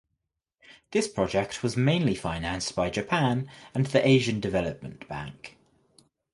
This project was mainly financed by Japan and the Asian Development Bank.